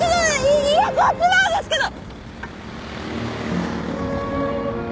家こっちなんですけど！？